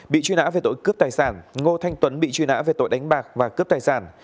bị truy nã về tội cướp tài sản ngô thanh tuấn bị truy nã về tội đánh bạc và cướp tài sản